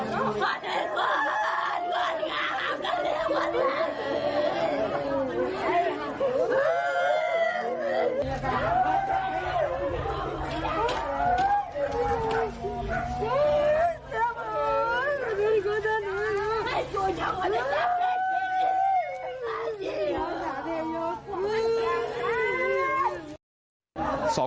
๒คุณยายร้องไห้แทบขาดใจจริง